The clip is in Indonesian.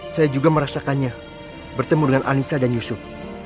saya juga merasakannya bertemu dengan anissa dan yusuf